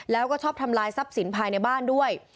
แล้วก็ชอบทำลายทรัพย์สินภายในบ้านด้วย